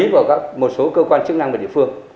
đã vượt qua một số các quản lý